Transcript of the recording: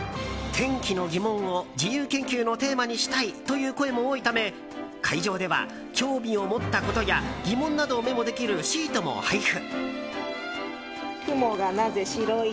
天気の疑問を自由研究のテーマにしたいという声も多いため会場では興味を持ったことや疑問などをメモできるシートも配布。